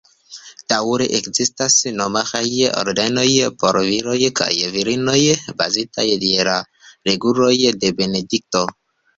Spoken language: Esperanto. Daŭre ekzistas monaĥaj ordenoj, por viroj kaj virinoj, bazitaj je la reguloj de Benedikto.